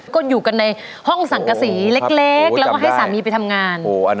ก็อยู่กันในห้องสังกษีเล็กแล้วก็ให้สามีไปทำงาน